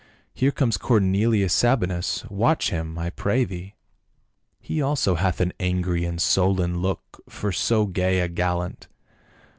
Here comes Cornelius Sabinus. Watch him, I pray thee !" 13 194 PA UL. " He also hath an angry and sullen look for so gay a gallant.